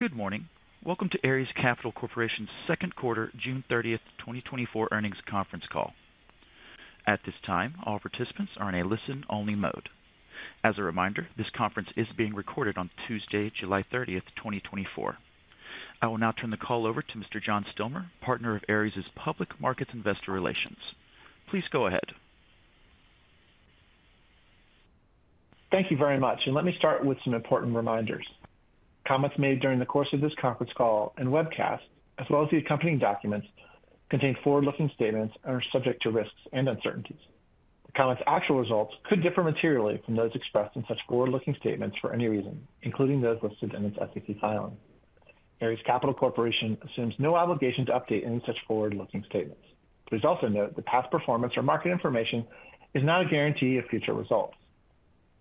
Good morning. Welcome to Ares Capital Corporation's second quarter, June 30, 2024 earnings conference call. At this time, all participants are in a listen-only mode. As a reminder, this conference is being recorded on Tuesday, July 30, 2024. I will now turn the call over to Mr. John Stilmar, Partner of Ares's Public Markets Investor Relations. Please go ahead. Thank you very much, and let me start with some important reminders. Comments made during the course of this conference call and webcast, as well as the accompanying documents, contain forward-looking statements and are subject to risks and uncertainties. The company's actual results could differ materially from those expressed in such forward-looking statements for any reason, including those listed in its SEC filing. Ares Capital Corporation assumes no obligation to update any such forward-looking statements. Please also note that past performance or market information is not a guarantee of future results.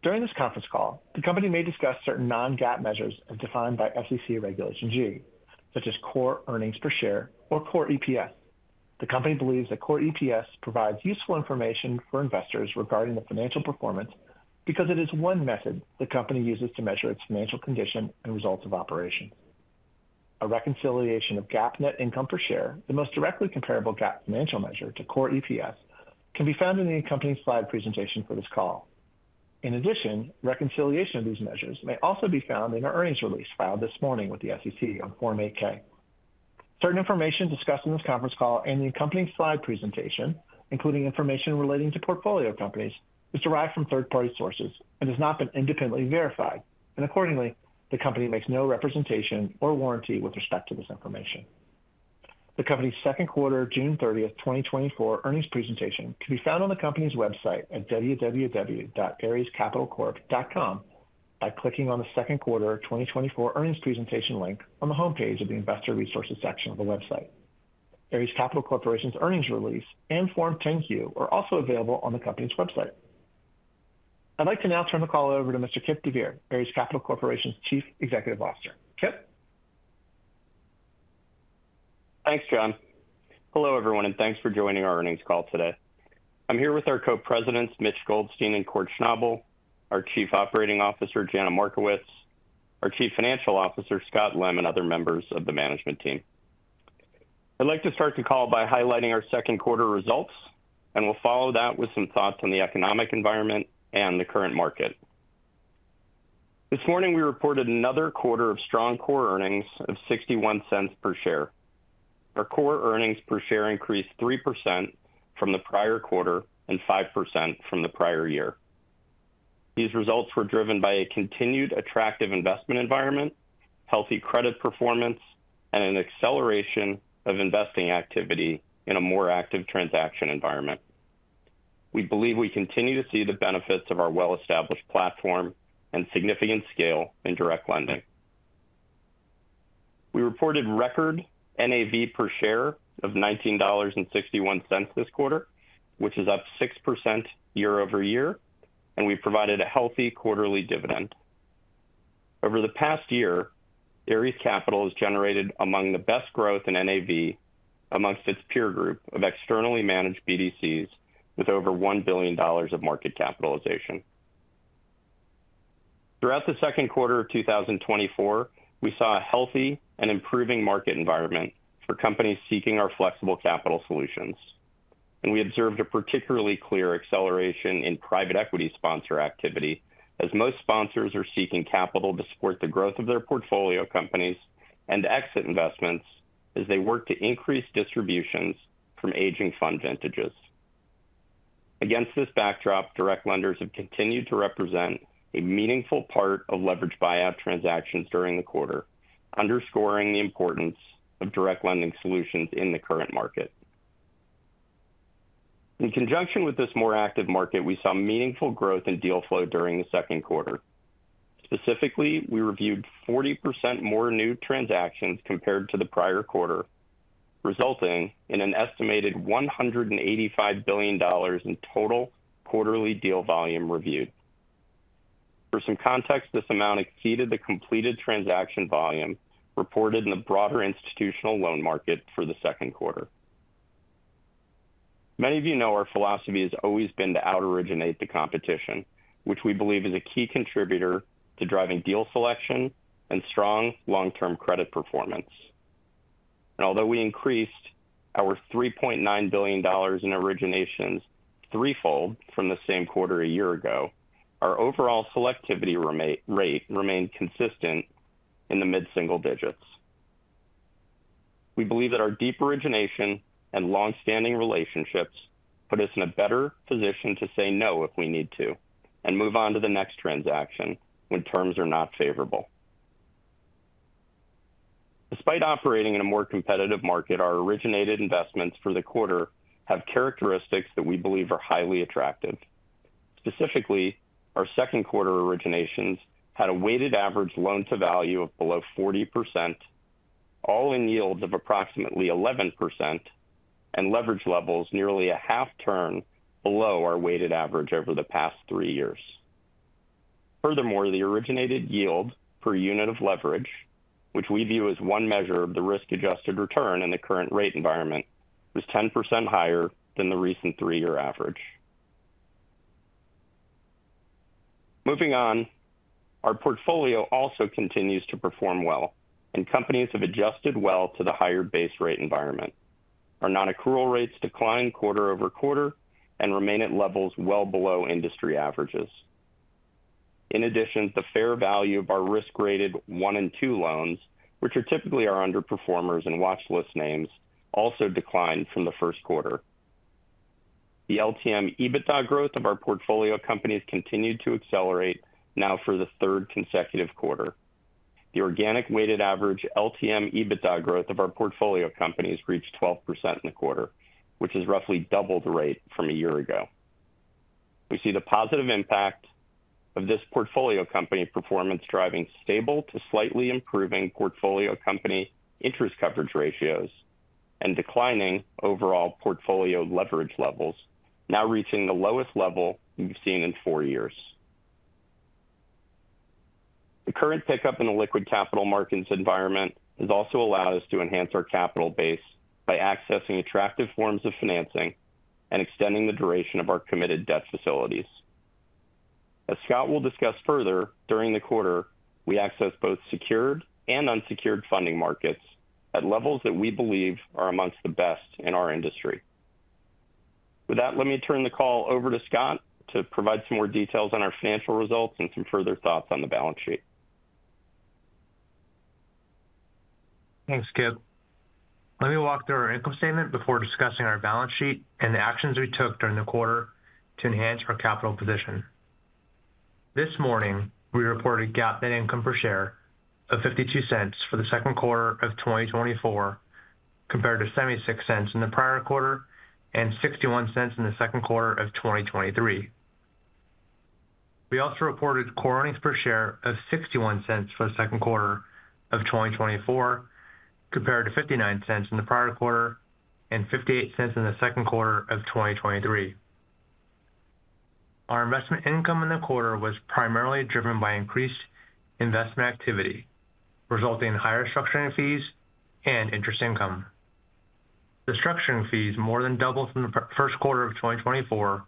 During this conference call, the company may discuss certain non-GAAP measures as defined by SEC Regulation G, such as core earnings per share or Core EPS. The company believes that Core EPS provides useful information for investors regarding the financial performance because it is one method the company uses to measure its financial condition and results of operations. A reconciliation of GAAP net income per share, the most directly comparable GAAP financial measure to core EPS, can be found in the accompanying slide presentation for this call. In addition, reconciliation of these measures may also be found in our earnings release filed this morning with the SEC on Form 8-K. Certain information discussed in this conference call and the accompanying slide presentation, including information relating to portfolio companies, is derived from third-party sources and has not been independently verified, and accordingly, the company makes no representation or warranty with respect to this information. The company's second quarter, June 30, 2024 earnings presentation can be found on the company's website at www.arescapitalcorp.com by clicking on the second quarter of 2024 earnings presentation link on the homepage of the Investor Resources section of the website. Ares Capital Corporation's earnings release and Form 10-Q are also available on the company's website. I'd like to now turn the call over to Mr. Kipp deVeer, Ares Capital Corporation's Chief Executive Officer. Kipp? Thanks, John. Hello, everyone, and thanks for joining our earnings call today. I'm here with our Co-Presidents, Mitch Goldstein and Kort Schnabel, our Chief Operating Officer, Jana Markowicz, our Chief Financial Officer, Scott Lem, and other members of the management team. I'd like to start the call by highlighting our second quarter results, and we'll follow that with some thoughts on the economic environment and the current market. This morning, we reported another quarter of strong core earnings of $0.61 per share. Our core earnings per share increased 3% from the prior-quarter and 5% from the prior-year. These results were driven by a continued attractive investment environment, healthy credit performance, and an acceleration of investing activity in a more active transaction environment. We believe we continue to see the benefits of our well-established platform and significant scale in direct lending. We reported record NAV per share of $19.61 this quarter, which is up 6% year-over-year, and we provided a healthy quarterly dividend. Over the past year, Ares Capital has generated among the best growth in NAV amongst its peer group of externally managed BDCs with over $1 billion of market capitalization. Throughout the second quarter of 2024, we saw a healthy and improving market environment for companies seeking our flexible capital solutions, and we observed a particularly clear acceleration in private equity sponsor activity, as most sponsors are seeking capital to support the growth of their portfolio companies and exit investments as they work to increase distributions from aging fund vintages. Against this backdrop, direct lenders have continued to represent a meaningful part of leveraged buyout transactions during the quarter, underscoring the importance of direct lending solutions in the current market. In conjunction with this more active market, we saw meaningful growth in deal flow during the second quarter. Specifically, we reviewed 40% more new transactions compared to the prior-quarter, resulting in an estimated $185 billion in total quarterly deal volume reviewed. For some context, this amount exceeded the completed transaction volume reported in the broader institutional loan market for the second quarter. Many of you know our philosophy has always been to out-originate the competition, which we believe is a key contributor to driving deal selection and strong long-term credit performance. Although we increased our $3.9 billion in originations threefold from the same quarter a year ago, our overall selectivity rate remained consistent in the mid-single digits. We believe that our deep origination and long-standing relationships put us in a better position to say no if we need to, and move on to the next transaction when terms are not favorable. Despite operating in a more competitive market, our originated investments for the quarter have characteristics that we believe are highly attractive. Specifically, our second quarter originations had a weighted average loan to value of below 40%, all-in yields of approximately 11%, and leverage levels nearly a half turn below our weighted average over the past three years. Furthermore, the originated yield per unit of leverage, which we view as one measure of the risk-adjusted return in the current rate environment, was 10% higher than the recent three-year average. Moving on, our portfolio also continues to perform well, and companies have adjusted well to the higher base rate environment. Our non-accrual rates declined quarter-over-quarter and remain at levels well below industry averages. In addition, the fair value of our risk-graded 1 and 2 loans, which are typically our underperformers and watch list names, also declined from the first quarter. The LTM EBITDA growth of our portfolio companies continued to accelerate now for the third consecutive quarter. The organic weighted average LTM EBITDA growth of our portfolio companies reached 12% in the quarter, which is roughly double the rate from a year-ago. We see the positive impact of this portfolio company performance driving stable to slightly improving portfolio company interest coverage ratios and declining overall portfolio leverage levels, now reaching the lowest level we've seen in four years. The current pickup in the liquid capital markets environment has also allowed us to enhance our capital base by accessing attractive forms of financing and extending the duration of our committed debt facilities. As Scott will discuss further, during the quarter, we accessed both secured and unsecured funding markets at levels that we believe are amongst the best in our industry. With that, let me turn the call over to Scott to provide some more details on our financial results and some further thoughts on the balance sheet. Thanks, Kipp. Let me walk through our income statement before discussing our balance sheet and the actions we took during the quarter to enhance our capital position. This morning, we reported GAAP net income per share of $0.52 for the second quarter of 2024, compared to $0.76 in the prior-quarter and $0.61 in the second quarter of 2023. We also reported Core earnings per share of $0.61 for the second quarter of 2024, compared to $0.59 in the prior-quarter and $0.58 in the second quarter of 2023. Our investment income in the quarter was primarily driven by increased investment activity, resulting in higher structuring fees and interest income. The structuring fees more than doubled from the first quarter of 2024,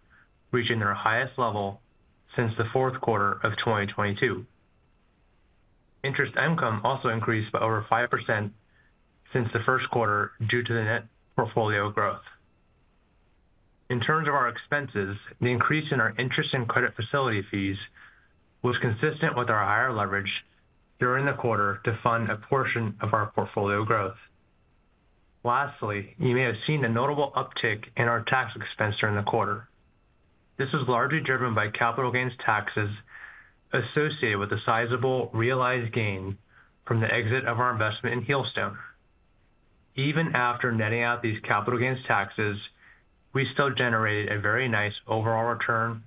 reaching their highest level since the fourth quarter of 2022. Interest income also increased by over 5% since the first quarter due to the net portfolio growth. In terms of our expenses, the increase in our interest and credit facility fees was consistent with our higher leverage during the quarter to fund a portion of our portfolio growth. Lastly, you may have seen a notable uptick in our tax expense during the quarter. This is largely driven by capital gains taxes associated with a sizable realized gain from the exit of our investment in Hilsinger. Even after netting out these capital gains taxes, we still generated a very nice overall return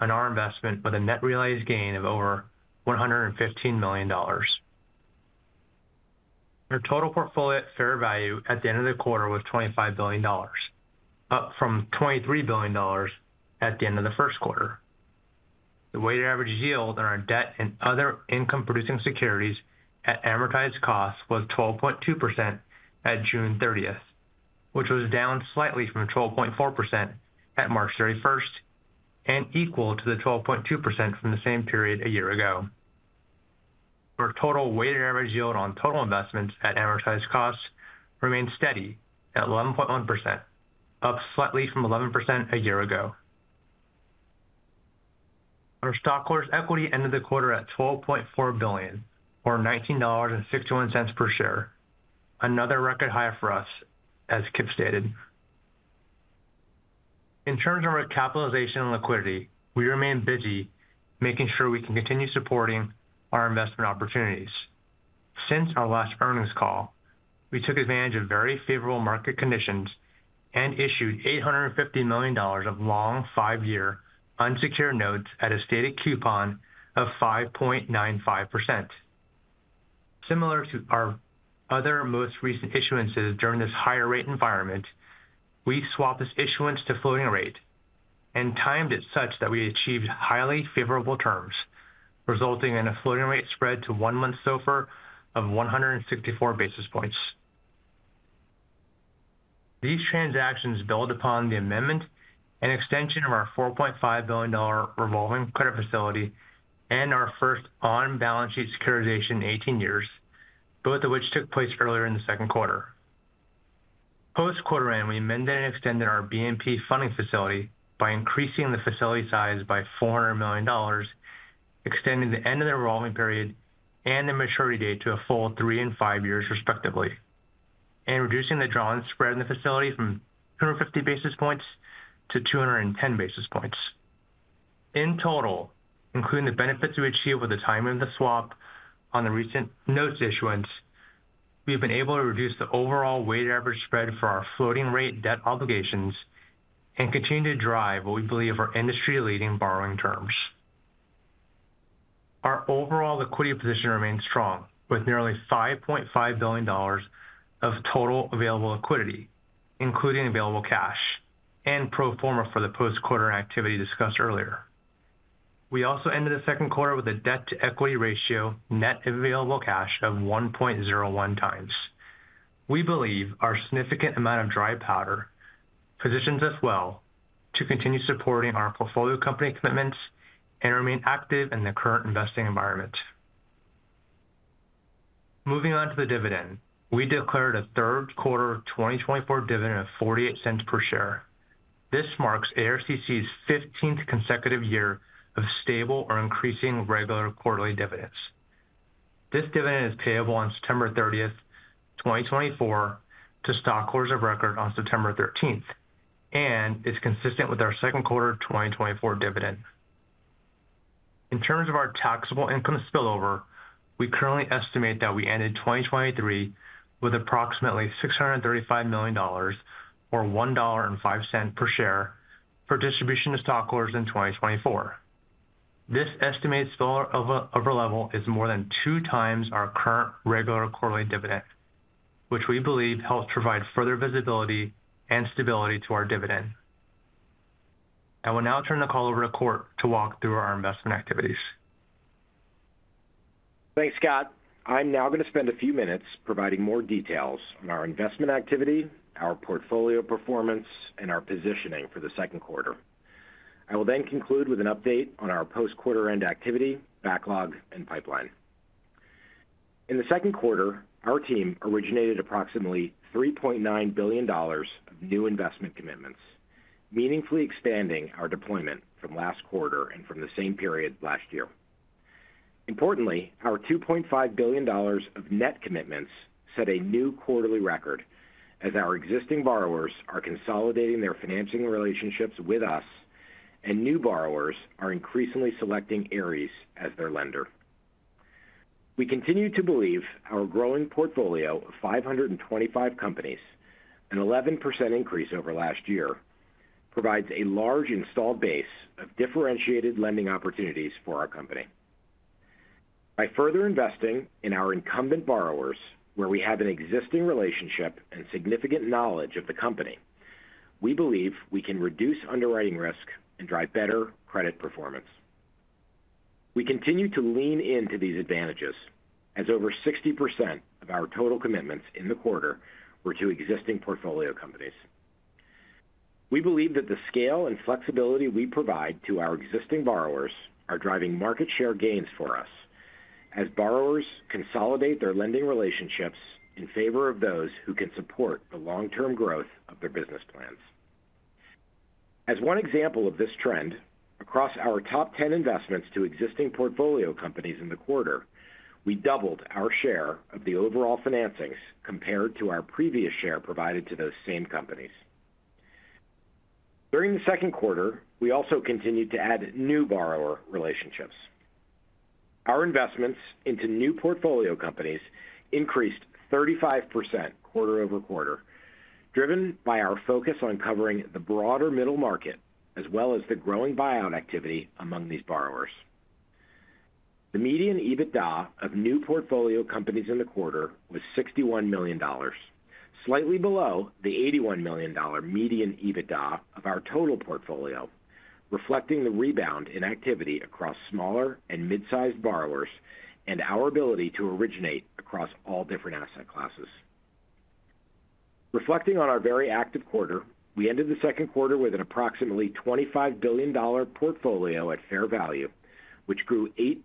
on our investment with a net realized gain of over $115 million. Our total portfolio at fair value at the end of the quarter was $25 billion, up from $23 billion at the end of the first quarter. The weighted average yield on our debt and other income-producing securities at amortized costs was 12.2% at June 30, which was down slightly from 12.4% at March 31, and equal to the 12.2% from the same period a year ago. Our total weighted average yield on total investments at amortized costs remained steady at 11.1%, up slightly from 11% a year-ago. Our stockholders' equity ended the quarter at $12.4 billion, or $19.61 per share, another record high for us, as Kipp stated. In terms of our capitalization and liquidity, we remain busy making sure we can continue supporting our investment opportunities. Since our last earnings call, we took advantage of very favorable market conditions and issued $850 million of long, five-year unsecured notes at a stated coupon of 5.95%. Similar to our other most recent issuances during this higher rate environment, we swapped this issuance to floating rate and timed it such that we achieved highly favorable terms, resulting in a floating rate spread to one-month SOFR of 164 basis points. These transactions build upon the amendment and extension of our $4.5 billion revolving credit facility and our first on-balance sheet securitization in 18 years, both of which took place earlier in the second quarter. Post-quarter end, we amended and extended our BNP funding facility by increasing the facility size by $400 million, extending the end of the revolving period and the maturity date to a full 3 and 5 years, respectively, and reducing the drawn spread in the facility from 250 basis points to 210 basis points. In total, including the benefits we achieved with the timing of the swap on the recent notes issuance, we have been able to reduce the overall weighted average spread for our floating rate debt obligations and continue to drive what we believe are industry-leading borrowing terms. Our overall liquidity position remains strong, with nearly $5.5 billion of total available liquidity, including available cash and pro forma for the post-quarter activity discussed earlier. We also ended the second quarter with a debt-to-equity ratio net available cash of 1.01x. We believe our significant amount of dry powder positions us well to continue supporting our portfolio company commitments and remain active in the current investing environment. Moving on to the dividend. We declared a third quarter 2024 dividend of $0.48 per share. This marks ARCC's 15th consecutive year of stable or increasing regular quarterly dividends. This dividend is payable on September 30, 2024, to stockholders of record on September 13, and it's consistent with our second quarter 2024 dividend. In terms of our taxable income spillover, we currently estimate that we ended 2023 with approximately $635 million or $1.05 per share for distribution to stockholders in 2024. This estimated spillover overall is more than 2x our current regular quarterly dividend, which we believe helps provide further visibility and stability to our dividend. I will now turn the call over to Kort to walk through our investment activities. Thanks, Scott. I'm now going to spend a few minutes providing more details on our investment activity, our portfolio performance, and our positioning for the second quarter. I will then conclude with an update on our post-quarter-end activity, backlog, and pipeline. In the second quarter, our team originated approximately $3.9 billion of new investment commitments, meaningfully expanding our deployment from last quarter and from the same period last year. Importantly, our $2.5 billion of net commitments set a new quarterly record, as our existing borrowers are consolidating their financing relationships with us, and new borrowers are increasingly selecting Ares as their lender. We continue to believe our growing portfolio of 525 companies, an 11% increase over last year, provides a large installed base of differentiated lending opportunities for our company. By further investing in our incumbent borrowers, where we have an existing relationship and significant knowledge of the company, we believe we can reduce underwriting risk and drive better credit performance. We continue to lean into these advantages as over 60% of our total commitments in the quarter were to existing portfolio companies. We believe that the scale and flexibility we provide to our existing borrowers are driving market share gains for us as borrowers consolidate their lending relationships in favor of those who can support the long-term growth of their business plans. As one example of this trend, across our top 10 investments to existing portfolio companies in the quarter, we doubled our share of the overall financings compared to our previous share provided to those same companies. During the second quarter, we also continued to add new borrower relationships. Our investments into new portfolio companies increased 35% quarter-over-quarter, driven by our focus on covering the broader middle market, as well as the growing buyout activity among these borrowers. The median EBITDA of new portfolio companies in the quarter was $61 million, slightly below the $81 million median EBITDA of our total portfolio, reflecting the rebound in activity across smaller and mid-sized borrowers and our ability to originate across all different asset classes. Reflecting on our very active quarter, we ended the second quarter with an approximately $25 billion portfolio at fair value, which grew 8%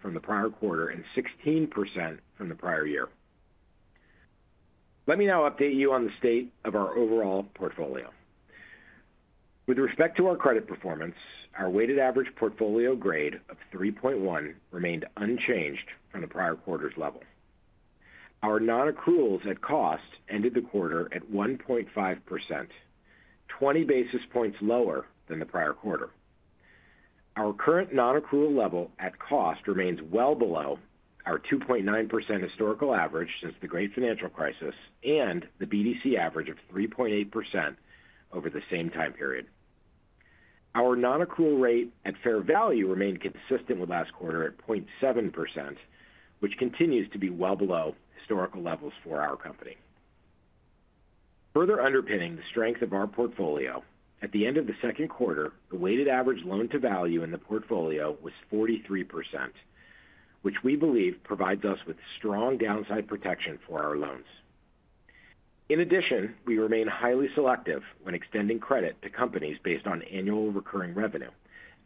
from the prior-quarter and 16% from the prior-year. Let me now update you on the state of our overall portfolio. With respect to our credit performance, our weighted average portfolio grade of 3.1 remained unchanged from the prior-quarter's level. Our non-accruals at cost ended the quarter at 1.5%, 20 basis points lower than the prior-quarter. Our current non-accrual level at cost remains well below our 2.9% historical average since the great financial crisis and the BDC average of 3.8% over the same time period. Our non-accrual rate at fair value remained consistent with last quarter at 0.7%, which continues to be well below historical levels for our company. Further underpinning the strength of our portfolio, at the end of the second quarter, the weighted average loan-to-value in the portfolio was 43%, which we believe provides us with strong downside protection for our loans. In addition, we remain highly selective when extending credit to companies based on annual recurring revenue,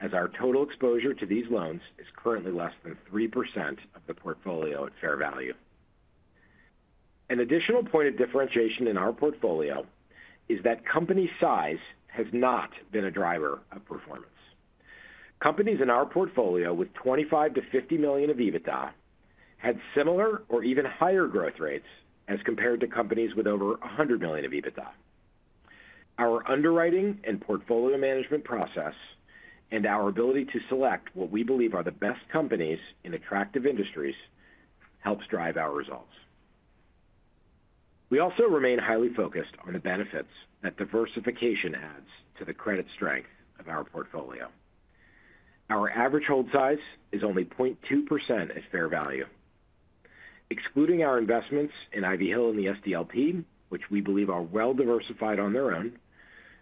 as our total exposure to these loans is currently less than 3% of the portfolio at fair value. An additional point of differentiation in our portfolio is that company size has not been a driver of performance. Companies in our portfolio with $25 million-$50 million of EBITDA had similar or even higher growth rates as compared to companies with over $100 million of EBITDA. Our underwriting and portfolio management process, and our ability to select what we believe are the best companies in attractive industries, helps drive our results. We also remain highly focused on the benefits that diversification adds to the credit strength of our portfolio. Our average hold size is only 0.2% at fair value. Excluding our investments in Ivy Hill and the SDLP, which we believe are well diversified on their own,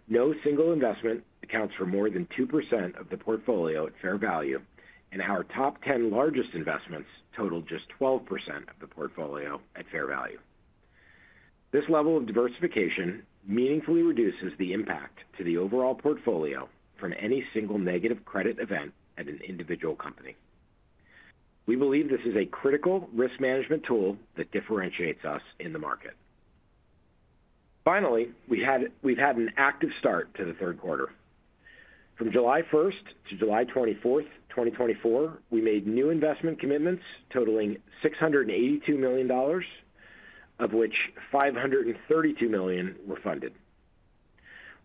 no single investment accounts for more than 2% of the portfolio at fair value, and our top 10 largest investments total just 12% of the portfolio at fair value. This level of diversification meaningfully reduces the impact to the overall portfolio from any single negative credit event at an individual company. We believe this is a critical risk management tool that differentiates us in the market. Finally, we've had an active start to the third quarter. From July 1 to July 24, 2024, we made new investment commitments totaling $682 million, of which $532 million were funded.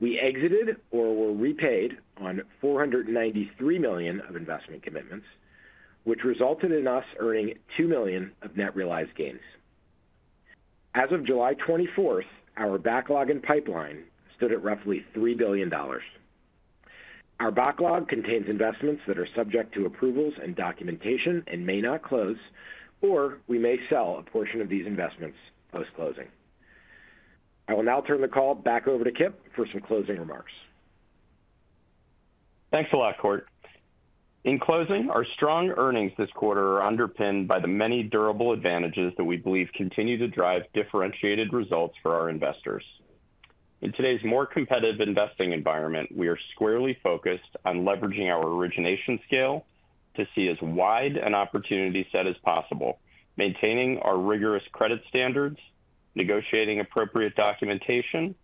We exited or were repaid on $493 million of investment commitments, which resulted in us earning $2 million of net realized gains. As of July 24, our backlog and pipeline stood at roughly $3 billion. Our backlog contains investments that are subject to approvals and documentation and may not close, or we may sell a portion of these investments post-closing. I will now turn the call back over to Kipp for some closing remarks. Thanks a lot, Kort. In closing, our strong earnings this quarter are underpinned by the many durable advantages that we believe continue to drive differentiated results for our investors. In today's more competitive investing environment, we are squarely focused on leveraging our origination scale to see as wide an opportunity set as possible, maintaining our rigorous credit standards, negotiating appropriate documentation,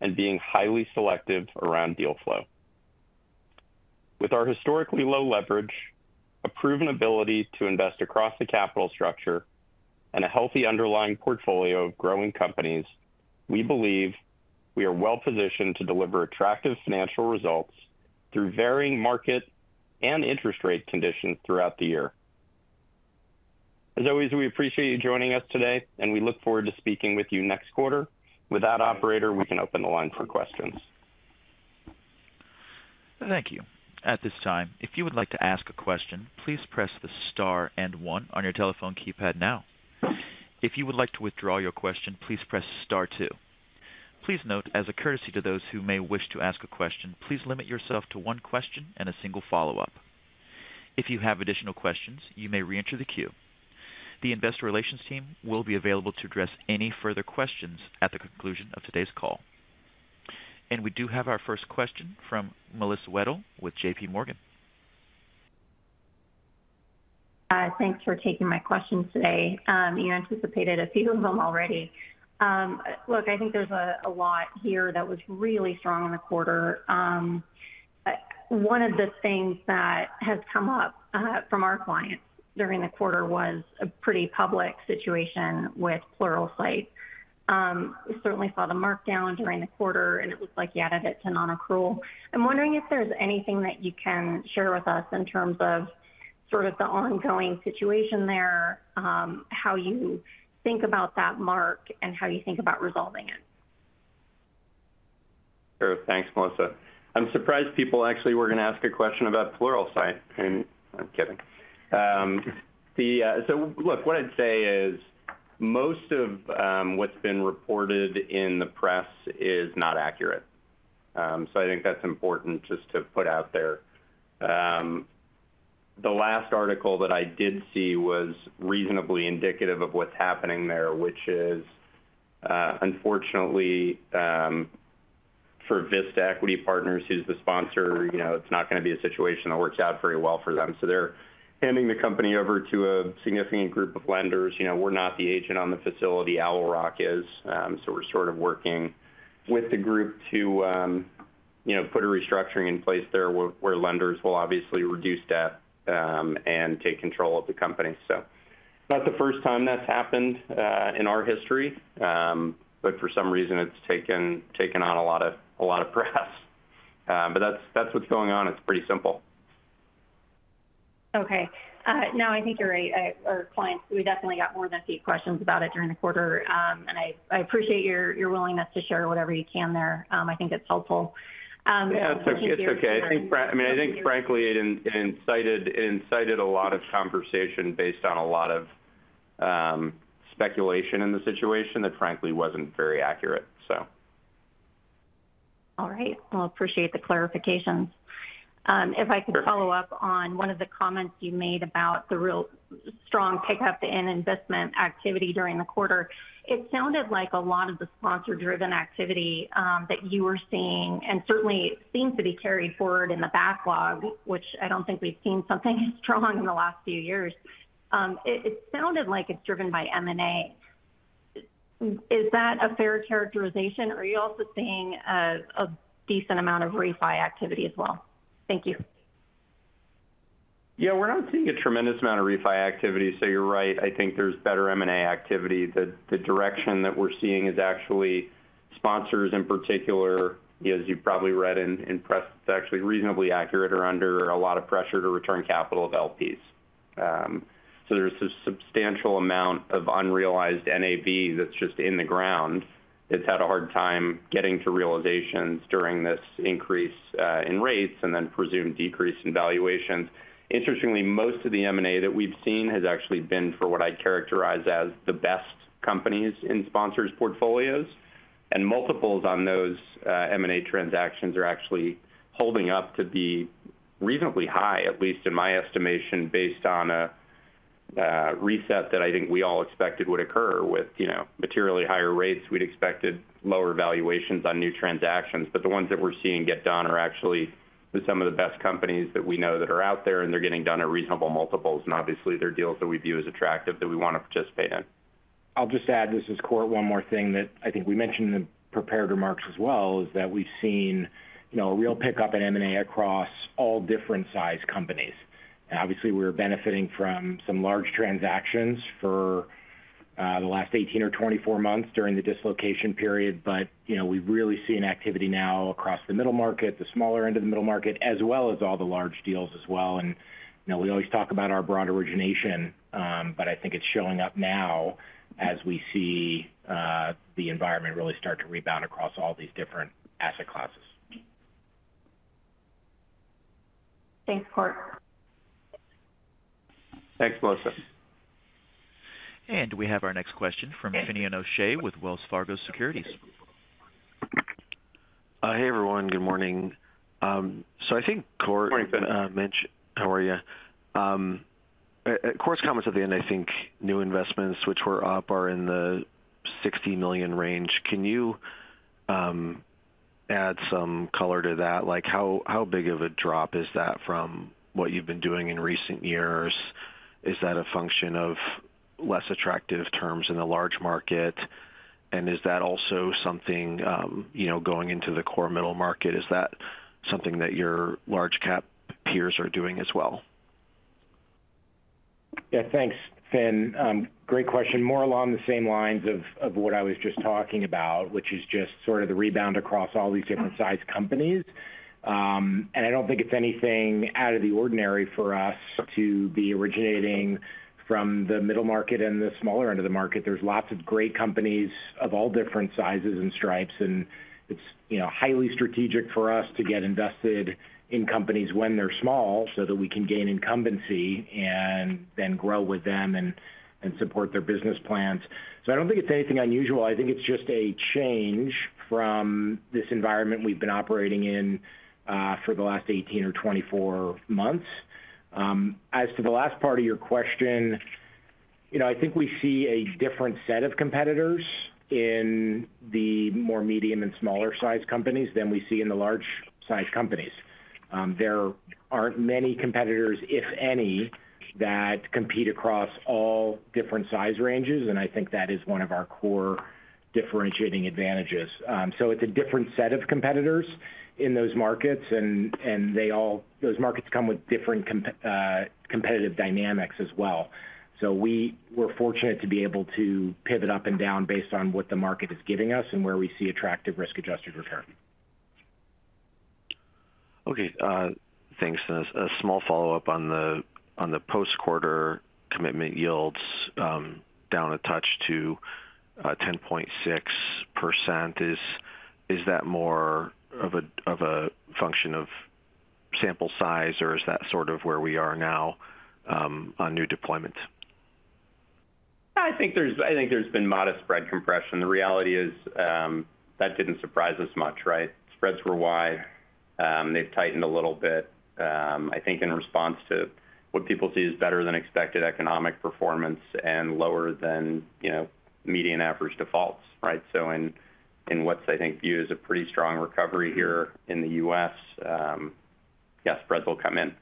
and being highly selective around deal flow. With our historically low leverage, a proven ability to invest across the capital structure, and a healthy underlying portfolio of growing companies, we believe we are well positioned to deliver attractive financial results through varying market and interest rate conditions throughout the year. As always, we appreciate you joining us today, and we look forward to speaking with you next quarter. With that, operator, we can open the line for questions. Thank you. At this time, if you would like to ask a question, please press the star and one on your telephone keypad now. If you would like to withdraw your question, please press star two. Please note, as a courtesy to those who may wish to ask a question, please limit yourself to one question and a single follow-up. If you have additional questions, you may reenter the queue. The investor relations team will be available to address any further questions at the conclusion of today's call. We do have our first question from Melissa Wedel with JPMorgan. Thanks for taking my questions today. You anticipated a few of them already. Look, I think there's a lot here that was really strong on the quarter. One of the things that has come up from our clients during the quarter was a pretty public situation with Pluralsight. We certainly saw the markdown during the quarter, and it looks like you added it to non-accrual. I'm wondering if there's anything that you can share with us in terms of sort of the ongoing situation there, how you think about that mark, and how you think about resolving it? Sure. Thanks, Melissa. I'm surprised people actually were going to ask a question about Pluralsight. I'm kidding. So look, what I'd say is, most of what's been reported in the press is not accurate. So I think that's important just to put out there. The last article that I did see was reasonably indicative of what's happening there, which is, unfortunately, for Vista Equity Partners, who's the sponsor, you know, it's not going to be a situation that works out very well for them. So they're handing the company over to a significant group of lenders. You know, we're not the agent on the facility, Owl Rock is. So we're sort of working with the group to, you know, put a restructuring in place there, where lenders will obviously reduce debt and take control of the company. So not the first time that's happened in our history, but for some reason it's taken on a lot of press. But that's what's going on. It's pretty simple. Okay. No, I think you're right. Our clients, we definitely got more than a few questions about it during the quarter. And I appreciate your willingness to share whatever you can there. I think it's helpful. Yeah, it's okay. It's okay. I mean, I think, frankly, it incited a lot of conversation based on a lot of speculation in the situation that, frankly, wasn't very accurate, so. All right. Well, appreciate the clarifications. If I could. Sure. Follow up on one of the comments you made about the real strong pickup in investment activity during the quarter. It sounded like a lot of the sponsor-driven activity that you were seeing, and certainly seems to be carried forward in the backlog, which I don't think we've seen something as strong in the last few years. It sounded like it's driven by M&A. Is that a fair characterization, or are you also seeing a decent amount of refi activity as well? Thank you. Yeah, we're not seeing a tremendous amount of refi activity, so you're right. I think there's better M&A activity. The direction that we're seeing is actually sponsors, in particular, as you've probably read in the press, it's actually reasonably accurate, are under a lot of pressure to return capital of LPs. So there's a substantial amount of unrealized NAV that's just in the ground. It's had a hard time getting to realizations during this increase in rates and then presumed decrease in valuations. Interestingly, most of the M&A that we've seen has actually been for what I characterize as the best companies in sponsors' portfolios, and multiples on those M&A transactions are actually holding up to be reasonably high, at least in my estimation, based on a reset that I think we all expected would occur. With you know, materially higher rates, we'd expected lower valuations on new transactions, but the ones that we're seeing get done are actually some of the best companies that we know that are out there, and they're getting done at reasonable multiples. Obviously, they're deals that we view as attractive that we want to participate in. I'll just add, this is Kort, one more thing that I think we mentioned in the prepared remarks as well, is that we've seen, you know, a real pickup in M&A across all different-sized companies. Obviously, we're benefiting from some large transactions for the last 18 or 24 months during the dislocation period. But, you know, we've really seen activity now across the middle market, the smaller end of the middle market, as well as all the large deals as well. And, you know, we always talk about our broad origination, but I think it's showing up now as we see the environment really start to rebound across all these different asset classes. Thanks, Kort. Thanks, Melissa. We have our next question from Finian O'Shea with Wells Fargo Securities. Hey, everyone. Good morning. So I think Kort. Good morning, Finn. Mentioned. How are you? At Kort's comments at the end, I think new investments, which were up, are in the $60 million range. Can you add some color to that? Like, how big of a drop is that from what you've been doing in recent years? Is that a function of less attractive terms in the large market? And is that also something, you know, going into the core middle market, is that something that your large cap peers are doing as well? Yeah, thanks, Fin. Great question. More along the same lines of what I was just talking about, which is just sort of the rebound across all these different-sized companies. And I don't think it's anything out of the ordinary for us to be originating from the middle market and the smaller end of the market. There's lots of great companies of all different sizes and stripes, and it's, you know, highly strategic for us to get invested in companies when they're small, so that we can gain incumbency and then grow with them and support their business plans. So I don't think it's anything unusual. I think it's just a change from this environment we've been operating in for the last 18 or 24 months. As to the last part of your question, you know, I think we see a different set of competitors in the more medium and smaller-sized companies than we see in the large-sized companies. There aren't many competitors, if any, that compete across all different size ranges, and I think that is one of our core differentiating advantages. So it's a different set of competitors in those markets, and, and they all, those markets come with different competitive dynamics as well. So we're fortunate to be able to pivot up and down based on what the market is giving us and where we see attractive risk-adjusted return. Okay, thanks. A small follow-up on the post-quarter commitment yields, down a touch to 10.6%. Is that more of a function of sample size, or is that sort of where we are now on new deployments? I think there's been modest spread compression. The reality is, that didn't surprise us much, right? Spreads were wide, they've tightened a little bit, I think in response to what people see as better-than-expected economic performance and lower than, you know, median average defaults, right? So in what's, I think, viewed as a pretty strong recovery here in the U.S., yes, spreads will come in.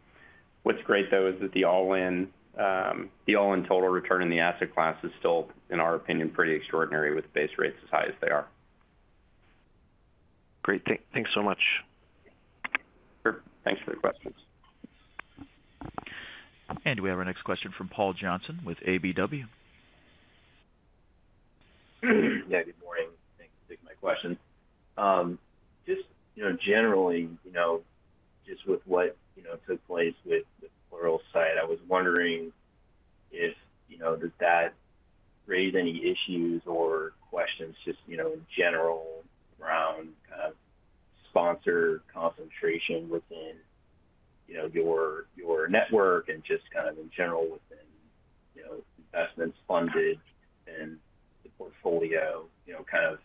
What's great, though, is that the all-in, the all-in total return in the asset class is still, in our opinion, pretty extraordinary with base rates as high as they are. Great. Thanks so much. Sure. Thanks for the questions. We have our next question from Paul Johnson with KBW. Yeah, good morning. Thanks for taking my question. Just, you know, generally, you know, just with what, you know, took place with the Pluralsight, I was wondering if, you know, does that raise any issues or questions just, you know, in general around kind of sponsor concentration within, you know, your, your network and just kind of in general within, you know, investments funded and the portfolio, you know, kind of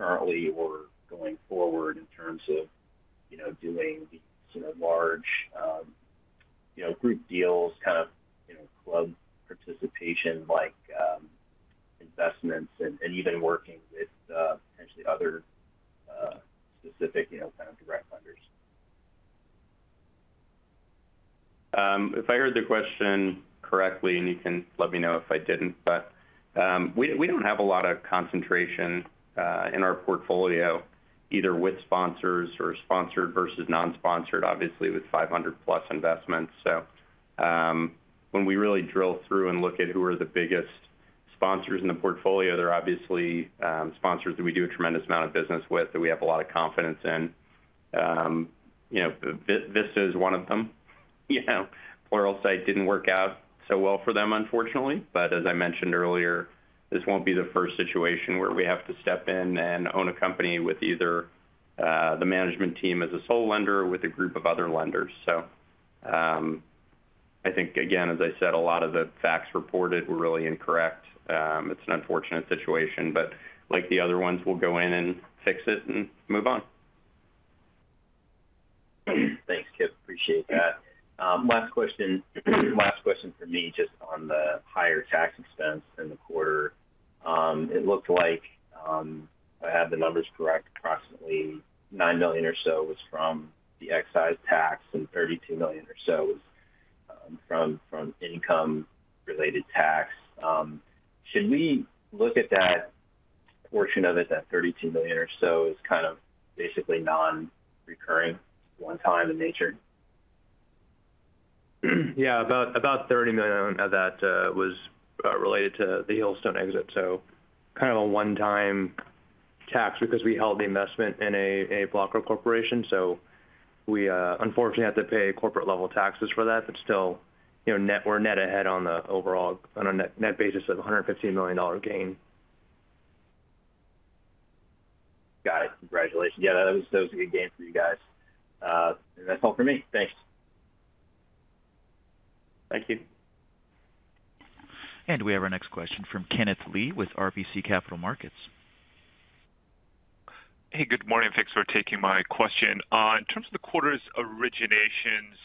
currently or going forward in terms of, you know, doing these, you know, large, you know, group deals, kind of, you know, club participation like, investments and, and even working with, potentially other, specific, you know, kind of direct lenders? If I heard the question correctly, and you can let me know if I didn't, but we don't have a lot of concentration in our portfolio, either with sponsors or sponsored versus non-sponsored, obviously, with 500+ investments. So, when we really drill through and look at who are the biggest sponsors in the portfolio, there are obviously sponsors that we do a tremendous amount of business with, that we have a lot of confidence in. You know, Vista is one of them. You know, Pluralsight didn't work out so well for them, unfortunately. But as I mentioned earlier, this won't be the first situation where we have to step in and own a company with either the management team as a sole lender or with a group of other lenders. So, I think, again, as I said, a lot of the facts reported were really incorrect. It's an unfortunate situation, but like the other ones, we'll go in and fix it and move on. Thanks, Kipp. Appreciate that. Last question, last question for me, just on the higher tax expense in the quarter. It looked like, if I have the numbers correct, approximately $9 million or so was from the excise tax, and $32 million or so was, from, from income-related tax. Should we look at that portion of it, that $32 million or so, as kind of basically nonrecurring, one time in nature? Yeah, about $30 million of that was related to the Hilsinger exit. So kind of a one-time tax because we held the investment in a blocker corporation. So we unfortunately had to pay corporate-level taxes for that, but still, you know, we're net ahead on the overall on a net, net basis of a $115 million gain. Got it. Congratulations. Yeah, that was, that was a good gain for you guys. That's all for me. Thanks. Thank you. We have our next question from Kenneth Lee with RBC Capital Markets. Hey, good morning. Thanks for taking my question. In terms of the quarter's originations,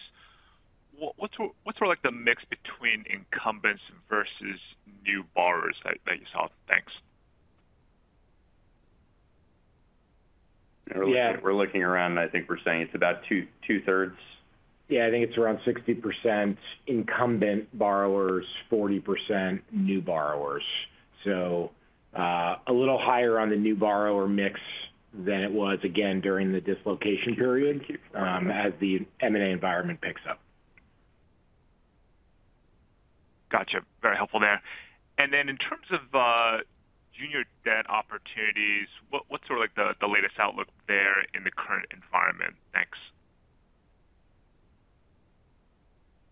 what's sort of like the mix between incumbents versus new borrowers that you saw? Thanks. Yeah. We're looking around, and I think we're saying it's about two-thirds? Yeah, I think it's around 60% incumbent borrowers, 40% new borrowers. So, a little higher on the new borrower mix than it was, again, during the dislocation period, as the M&A environment picks up. Gotcha. Very helpful there. And then in terms of, junior debt opportunities, what, what's sort of like the, the latest outlook there in the current environment? Thanks.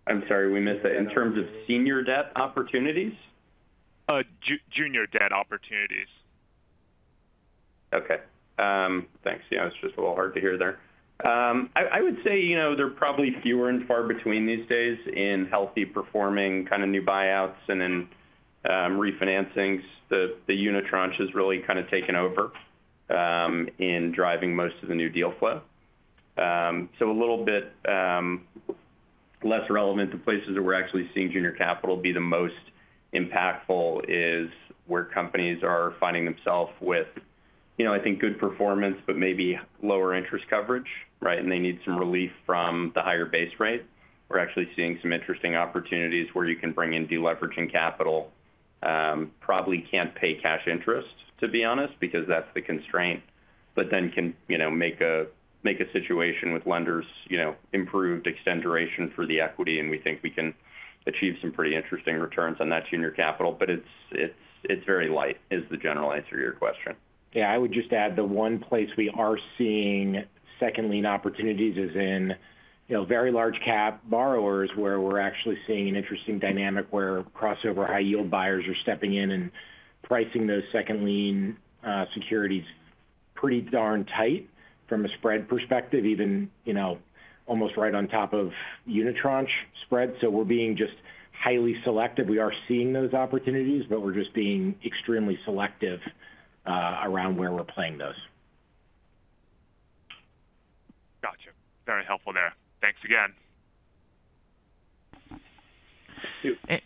I'm sorry, we missed that. In terms of senior debt opportunities? Junior debt opportunities. Okay. Thanks. Yeah, it's just a little hard to hear there. I would say, you know, they're probably fewer and far between these days in healthy-performing, kind of, new buyouts and in, refinancings. The unitranche has really kind of taken over, in driving most of the new deal flow. So a little bit, less relevant to places where we're actually seeing junior capital be the most impactful is where companies are finding themselves with, you know, I think, good performance, but maybe lower interest coverage, right? And they need some relief from the higher base rate. We're actually seeing some interesting opportunities where you can bring in deleveraging capital. Probably can't pay cash interest, to be honest, because that's the constraint, but then can, you know, make a situation with lenders, you know, improved, extend duration for the equity, and we think we can achieve some pretty interesting returns on that junior capital. But it's very light, is the general answer to your question. Yeah. I would just add, the one place we are seeing second lien opportunities is in, you know, very large cap borrowers, where we're actually seeing an interesting dynamic where crossover high yield buyers are stepping in and pricing those second lien securities pretty darn tight from a spread perspective, even, you know, almost right on top of unitranche spread. So we're being just highly selective. We are seeing those opportunities, but we're just being extremely selective around where we're playing those. Gotcha. Very helpful there. Thanks again. Thank you.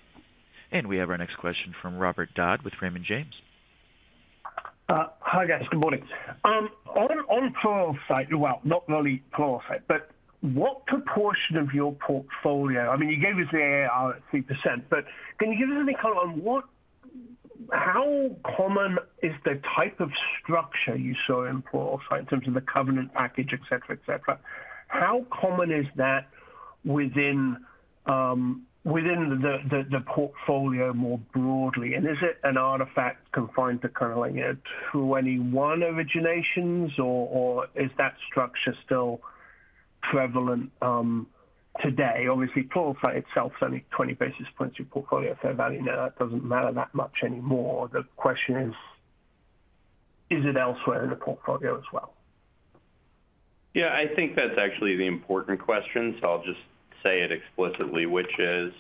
And we have our next question from Robert Dodd with Raymond James. Hi, guys. Good morning. On Pluralsight-- well, not really Pluralsight, but what proportion of your portfolio, I mean, you gave us the ARR at 3%, but can you give us any color on what-- how common is the type of structure you saw in Pluralsight in terms of the covenant package, etc? How common is that within the portfolio more broadly? And is it an artifact confined to kind of, like, a 2021 originations or is that structure still prevalent today? Obviously, Pluralsight itself is only 20 basis points your portfolio fair value. Now, that doesn't matter that much anymore. The question is: Is it elsewhere in the portfolio as well? Yeah, I think that's actually the important question, so I'll just say it explicitly, which is,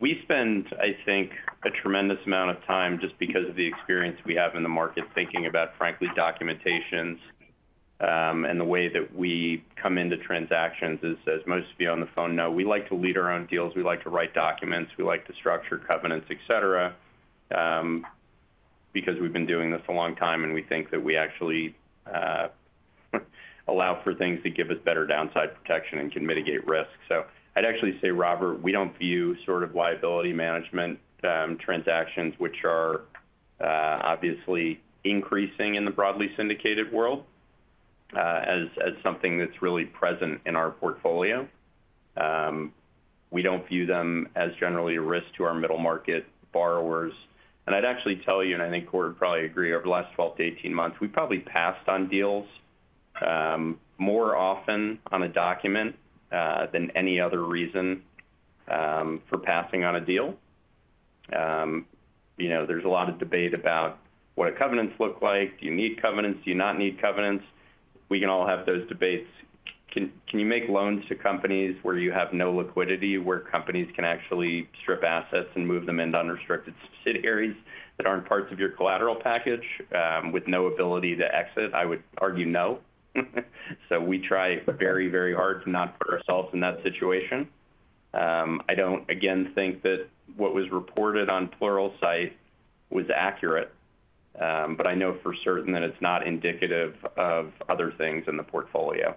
we spend, I think, a tremendous amount of time just because of the experience we have in the market, thinking about, frankly, documentation, and the way that we come into transactions is, as most of you on the phone know, we like to lead our own deals, we like to write documents, we like to structure covenants, etc., because we've been doing this a long time, and we think that we actually allow for things that give us better downside protection and can mitigate risk. So I'd actually say, Robert, we don't view sort of liability management transactions, which are obviously increasing in the broadly syndicated world, as something that's really present in our portfolio. We don't view them as generally a risk to our middle-market borrowers. And I'd actually tell you, and I think Kort would probably agree, over the last 12-18 months, we probably passed on deals more often on a document than any other reason for passing on a deal. You know, there's a lot of debate about what do covenants look like? Do you need covenants? Do you not need covenants? We can all have those debates. Can you make loans to companies where you have no liquidity, where companies can actually strip assets and move them into unrestricted subsidiaries that aren't parts of your collateral package with no ability to exit? I would argue no. So we try very, very hard to not put ourselves in that situation. I don't, again, think that what was reported on Pluralsight was accurate. But I know for certain that it's not indicative of other things in the portfolio,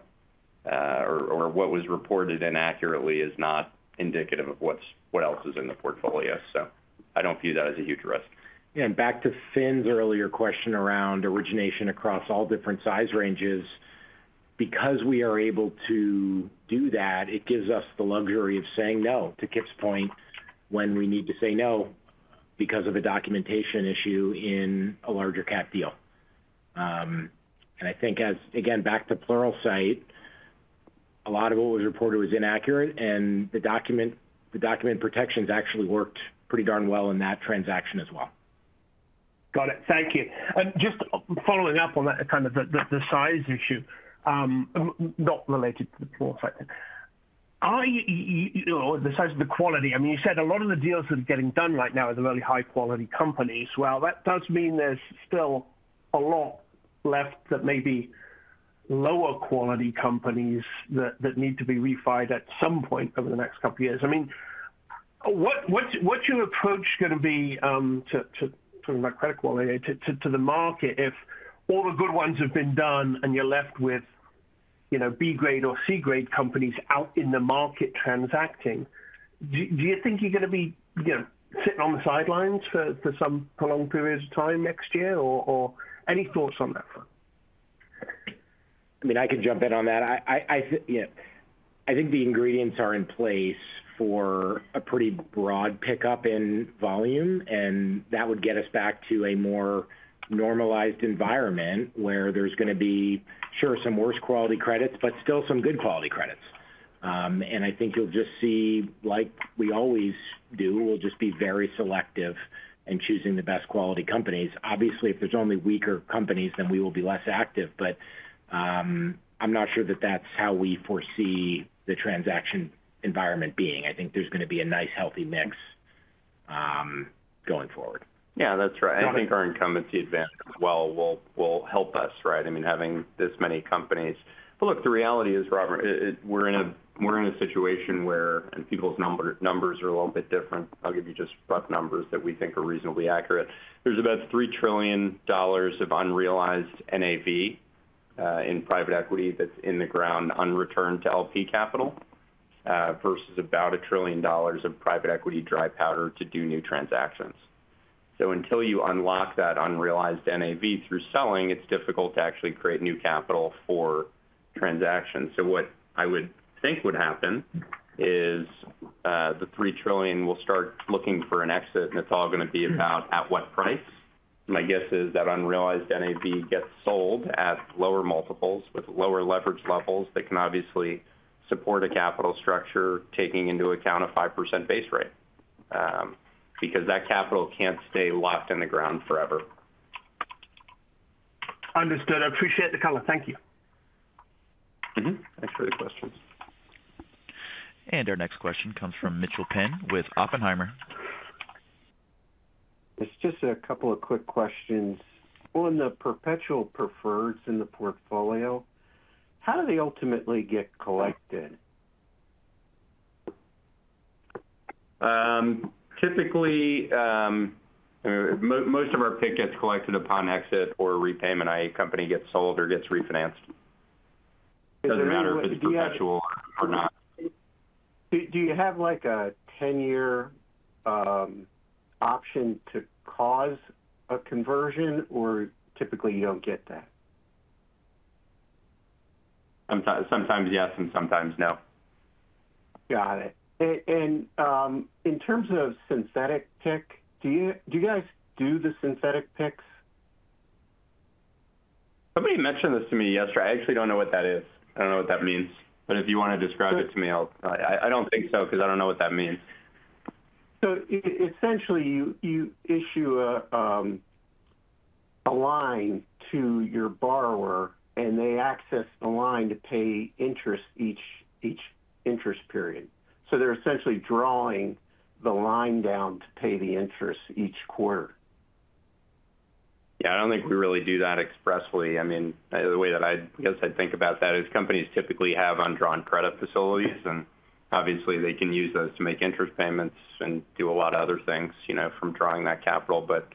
or what was reported inaccurately is not indicative of what else is in the portfolio. So I don't view that as a huge risk. Back to Finn's earlier question around origination across all different size ranges. Because we are able to do that, it gives us the luxury of saying no, to Kipp's point, when we need to say no because of a documentation issue in a larger cap deal. And I think as, again, back to Pluralsight, a lot of what was reported was inaccurate, and the document protections actually worked pretty darn well in that transaction as well. Got it. Thank you. Just following up on that, kind of the size issue, not related to the Pluralsight. Are you, you know, the size of the quality. I mean, you said a lot of the deals that are getting done right now are the really high-quality companies. Well, that does mean there's still a lot left that may be lower-quality companies that need to be refinanced at some point over the next couple of years. I mean, what's your approach gonna be to talking about credit quality to the market if all the good ones have been done and you're left with, you know, B-grade or C-grade companies out in the market transacting? Do you think you're gonna be, you know, sitting on the sidelines for some prolonged periods of time next year, or any thoughts on that front? I mean, I can jump in on that. Yeah, I think the ingredients are in place for a pretty broad pickup in volume, and that would get us back to a more normalized environment where there's gonna be, sure, some worse quality credits, but still some good quality credits. And I think you'll just see, like we always do, we'll just be very selective in choosing the best quality companies. Obviously, if there's only weaker companies, then we will be less active, but, I'm not sure that that's how we foresee the transaction environment being. I think there's gonna be a nice, healthy mix, going forward. Yeah, that's right. I think our incumbency advantage as well will, will help us, right? I mean, having this many companies. But look, the reality is, Robert, it, it. We're in a, we're in a situation where. People's numbers are a little bit different. I'll give you just rough numbers that we think are reasonably accurate. There's about $3 trillion of unrealized NAV in private equity that's in the ground, unreturned to LP capital versus about $1 trillion of private equity dry powder to do new transactions. So until you unlock that unrealized NAV through selling, it's difficult to actually create new capital for transactions. So what I would think would happen is, the $3 trillion will start looking for an exit, and it's all gonna be about at what price. My guess is that unrealized NAV gets sold at lower multiples with lower leverage levels that can obviously support a capital structure, taking into account a 5% base rate, because that capital can't stay locked in the ground forever. Understood. I appreciate the color. Thank you. Thanks for the questions. Our next question comes from Mitchel Penn with Oppenheimer. It's just a couple of quick questions. On the perpetual preferreds in the portfolio, how do they ultimately get collected? Typically, I mean, most of our PIK gets collected upon exit or repayment, i.e., company gets sold or gets refinanced. Doesn't matter if it's perpetual or not. Do you have, like, a 10-year option to cause a conversion, or typically you don't get that? Sometimes, sometimes yes, and sometimes no. Got it. And, in terms of synthetic PIK, do you, do you guys do the synthetic PIKs? Somebody mentioned this to me yesterday. I actually don't know what that is. I don't know what that means, but if you want to describe it to me, I'll. I don't think so, because I don't know what that means. So essentially, you issue a line to your borrower, and they access the line to pay interest each interest period. So they're essentially drawing the line down to pay the interest each quarter. Yeah, I don't think we really do that expressly. I mean, the way that I guess I'd think about that is companies typically have undrawn credit facilities, and obviously, they can use those to make interest payments and do a lot of other things, you know, from drawing that capital. But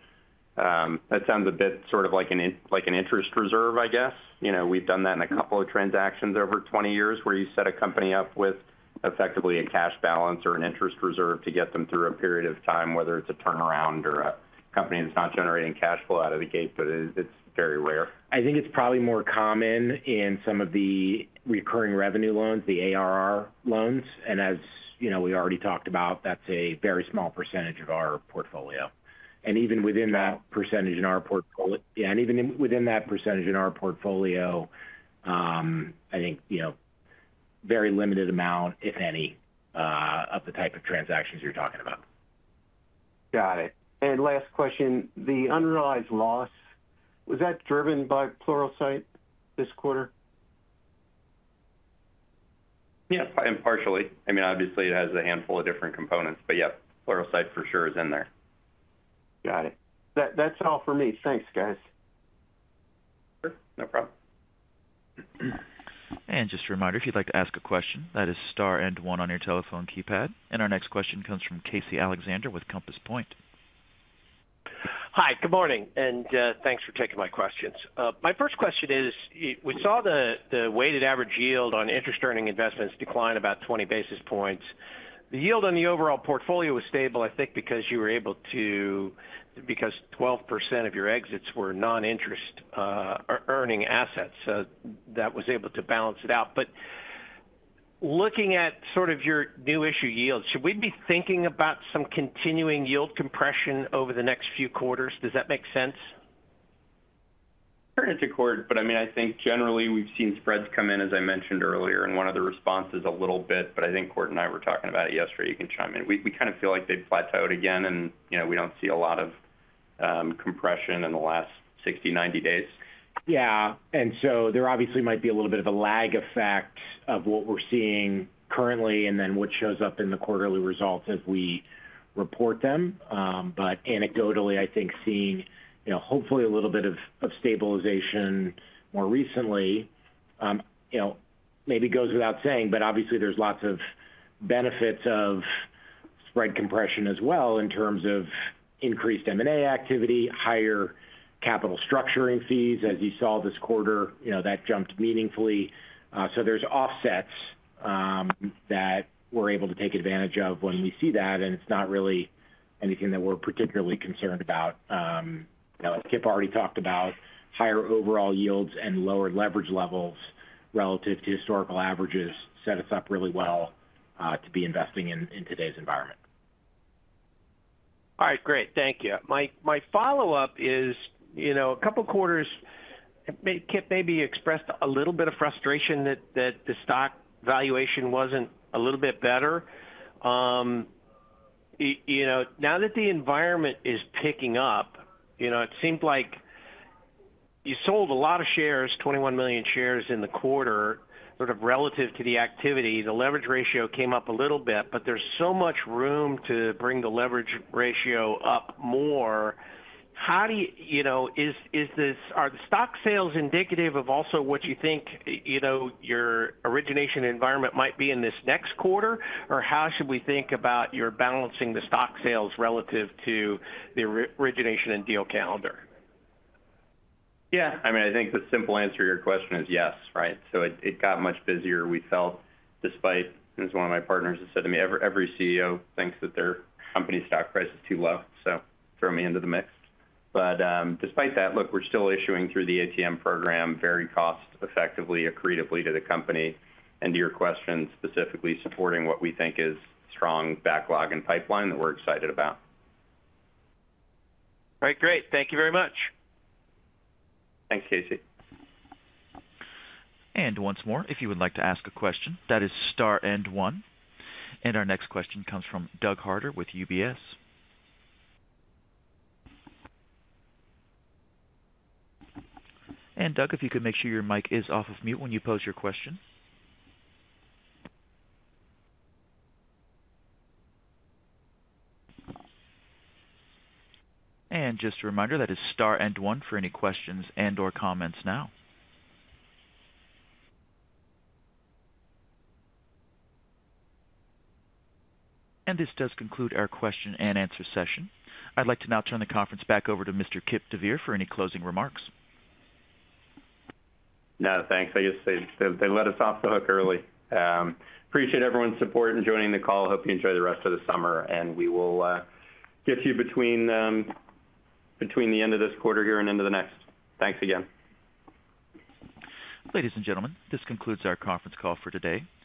that sounds a bit sort of like an interest reserve, I guess. You know, we've done that in a couple of transactions over 20 years, where you set a company up with effectively a cash balance or an interest reserve to get them through a period of time, whether it's a turnaround or a company that's not generating cash flow out of the gate, but it's very rare. I think it's probably more common in some of the recurring revenue loans, the ARR loans. And as you know, we already talked about, that's a very small percentage of our portfolio. And even within that percentage in our portfolio, I think, you know, very limited amount, if any, of the type of transactions you're talking about. Got it. Last question: the unrealized loss, was that driven by Pluralsight this quarter? Yeah, impartially. I mean, obviously, it has a handful of different components, but yeah, Pluralsight for sure is in there. Got it. That's all for me. Thanks, guys. Sure, no problem. Just a reminder, if you'd like to ask a question, that is star and one on your telephone keypad. Our next question comes from Casey Alexander with Compass Point. Hi, good morning, and, thanks for taking my questions. My first question is, we saw the weighted average yield on interest-earning investments decline about 20 basis points. The yield on the overall portfolio was stable, I think, because you were able to because 12% of your exits were non-interest earning assets, so that was able to balance it out. But looking at sort of your new issue yields, should we be thinking about some continuing yield compression over the next few quarters? Does that make sense? Turn it to Kort, but, I mean, I think generally we've seen spreads come in, as I mentioned earlier, in one of the responses a little bit, but I think Kort and I were talking about it yesterday. You can chime in. We kind of feel like they've flat out again, and, you know, we don't see a lot of, compression in the last 60, 90 days. Yeah, and so there obviously might be a little bit of a lag effect of what we're seeing currently and then what shows up in the quarterly results as we report them. But anecdotally, I think seeing, you know, hopefully a little bit of stabilization more recently, you know, maybe it goes without saying, but obviously, there's lots of benefits of spread compression as well in terms of increased M&A activity, higher capital structuring fees. As you saw this quarter, you know, that jumped meaningfully. So there's offsets, that we're able to take advantage of when we see that, and it's not really anything that we're particularly concerned about. You know, as Kipp already talked about, higher overall yields and lower leverage levels relative to historical averages set us up really well, to be investing in today's environment. All right, great. Thank you. My follow-up is, you know, a couple of quarters, Kipp maybe expressed a little bit of frustration that the stock valuation wasn't a little bit better. You know, now that the environment is picking up, you know, it seems like you sold a lot of shares, 21 million shares in the quarter, sort of relative to the activity. The leverage ratio came up a little bit, but there's so much room to bring the leverage ratio up more. How do you... You know, is this are the stock sales indicative of also what you think, you know, your origination environment might be in this next quarter? Or how should we think about your balancing the stock sales relative to the re-origination and deal calendar? Yeah, I mean, I think the simple answer to your question is yes, right? So it got much busier. We felt, despite, as one of my partners has said to me, "Every, every CEO thinks that their company's stock price is too low," so throw me into the mix. But, despite that, look, we're still issuing through the ATM program very cost effectively, accretively to the company. And to your question, specifically supporting what we think is strong backlog and pipeline that we're excited about. All right, great. Thank you very much. Thanks, Casey. Once more, if you would like to ask a question, that is star and one. Our next question comes from Doug Harter with UBS. Doug, if you could make sure your mic is off of mute when you pose your question. Just a reminder, that is star and one for any questions and/or comments now. This does conclude our question-and-answer session. I'd like to now turn the conference back over to Mr. Kipp deVeer for any closing remarks. No, thanks. I guess they let us off the hook early. Appreciate everyone's support in joining the call. Hope you enjoy the rest of the summer, and we will get to you between the end of this quarter here and into the next. Thanks again. Ladies and gentlemen, this concludes our conference call for today.